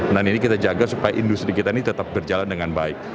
nah ini kita jaga supaya industri kita ini tetap berjalan dengan baik